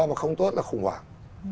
mà không tốt là khủng hoảng